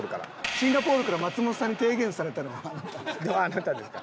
シンガポールから松本さんに提言されたのはあなたですか？